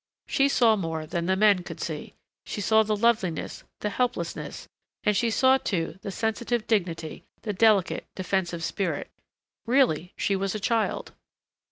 She saw more than the men could see. She saw the loveliness, the helplessness, and she saw too the sensitive dignity, the delicate, defensive spirit.... Really, she was a child.